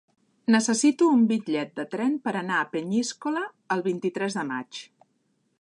Necessito un bitllet de tren per anar a Peníscola el vint-i-tres de maig.